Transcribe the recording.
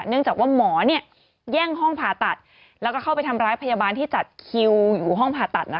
เนื่องจากว่าหมอแย่งห้องผ่าตัดแล้วก็เข้าไปทำร้ายพยาบาลที่จัดคิวอยู่ห้องผ่าตัด